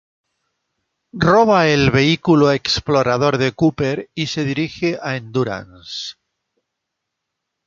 Roba el vehículo explorador de Cooper y se dirige al Endurance.